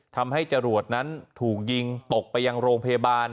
ทำให้จรวดนั้นถูกยิงตกไปยังโรงพยาบาล